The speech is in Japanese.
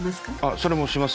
それもします。